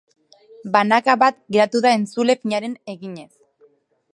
Banaka bat geratu da entzule finarena eginez.